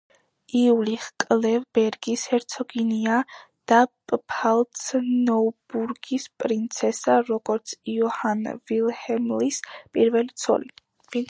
იულიხ-კლევ-ბერგის ჰერცოგინია და პფალც-ნოიბურგის პრინცესა როგორც იოჰან ვილჰელმის პირველი ცოლი.